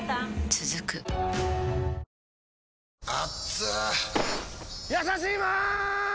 続くやさしいマーン！！